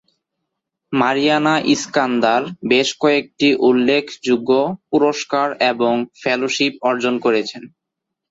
Mariana Iskander বেশ কয়েকটি উল্লেখযোগ্য পুরষ্কার এবং ফেলোশিপ অর্জন করেছেন।